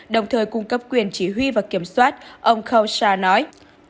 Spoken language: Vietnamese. đồng thời cung cấp quyền chỉ huy và kiểm soát ông kosha nói